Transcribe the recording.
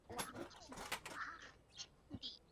以下时间以日本当地时间为准